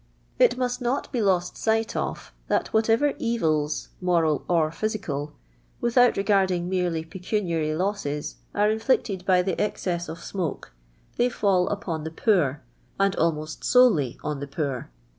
It nuist not be ]o.4t siu'ht of. that wiuitcvcr evils, moral or physical, without reL'ardinjj men ly |m»cu niary loosest, are iiii]ict>'d by tht exee,<s i»f smoke, they fall upon the p<M>r, and almost solely on the poor.